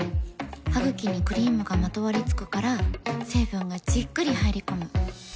ハグキにクリームがまとわりつくから成分がじっくり入り込む。